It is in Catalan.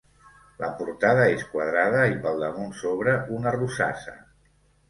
La portada és quadrada i pel damunt s'obre una rosassa.